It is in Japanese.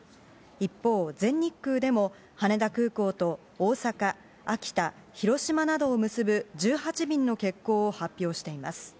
一方、全日空でも羽田空港と大阪、秋田、広島などを結ぶ１８便の欠航を発表しています。